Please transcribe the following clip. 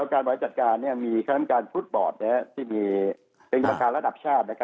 การบายจัดการมีคำนำการฟุตบอร์ดที่เป็นประธานระดับชาติ